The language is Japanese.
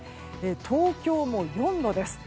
東京も４度です。